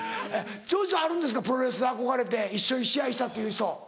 長州さんあるんですかプロレスで憧れて一緒に試合したという人。